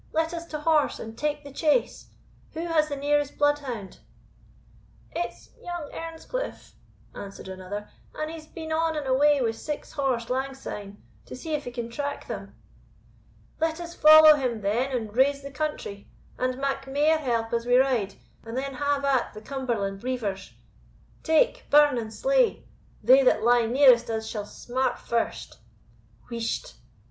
Let us to horse, and take the chase. Who has the nearest bloodhound?" "It's young Earnscliff," answered another; "and he's been on and away wi' six horse lang syne, to see if he can track them." "Let us follow him then, and raise the country, and mak mair help as we ride, and then have at the Cumberland reivers! Take, burn, and slay they that lie nearest us shall smart first." "Whisht!